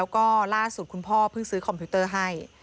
แล้วก็ล่าสุดคุณพ่อเพิ่งซื้อคอมพิวเตอร์ให้